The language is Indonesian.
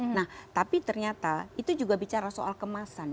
nah tapi ternyata itu juga bicara soal kemasan